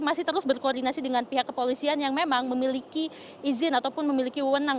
masih terus berkoordinasi dengan pihak kepolisian yang memang memiliki izin ataupun memiliki wewenang